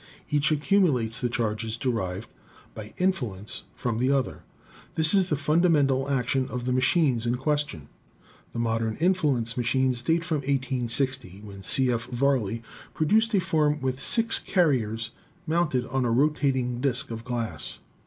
Each accumulates the charges derived by in fluence from the other. This is the fundamental action of the machines in question. The modern influence machines date from i860, when C. F. Varley produced a form with six carriers mounted on a rotating disk of glass.